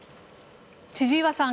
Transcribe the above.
千々岩さん